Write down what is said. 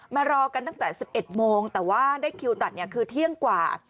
มารอกันตั้งแต่๑๑โมงแต่ว่าได้คิวตัดเนี่ยคือเที่ยงกว่า